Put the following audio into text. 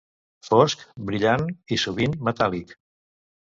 Fosc, brillant, i sovint metàl·lic.